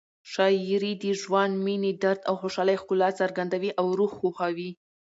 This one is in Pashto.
شاعري د ژوند، مینې، درد او خوشحالۍ ښکلا څرګندوي او روح خوښوي.